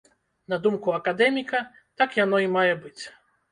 На думку акадэміка, так яно і мае быць.